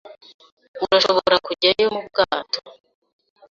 Urashobora kujyayo mu bwato